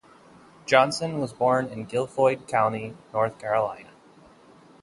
Johnson was born in Guilford County, North Carolina.